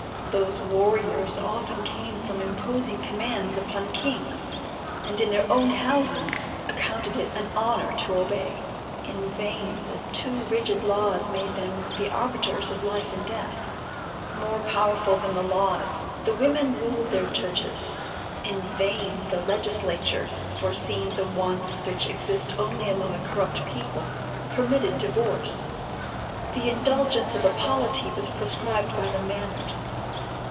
Those warriors often came from imposing commands upon kings, and in their own houses accounted it an honor to obey. In vain the too rigid laws made them the arbiters of life and death. More powerful than the laws, the women ruled their judges. In vain the legislature, foreseeing the wants which exist only among a corrupt people, permitted divorce. The indulgence of the polity was proscribed by the manners.